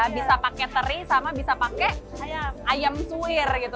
bisa pakai teri sama bisa pakai ayam suwir gitu